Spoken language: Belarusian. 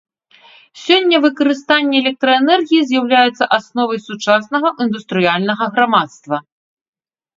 Сёння выкарыстанне электраэнергіі з'яўляецца асновай сучаснага індустрыяльнага грамадства.